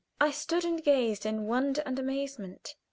I stood and gazed in wonder and amazement.